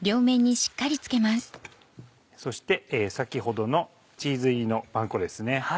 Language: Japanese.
そして先ほどのチーズ入りのパン粉ですね。